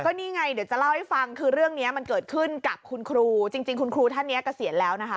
นี่ไงเดี๋ยวจะเล่าให้ฟังคือเรื่องนี้มันเกิดขึ้นกับคุณครูจริงคุณครูท่านนี้เกษียณแล้วนะคะ